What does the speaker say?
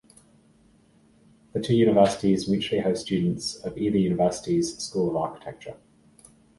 The two universities mutually host students of either university's School of Architecture.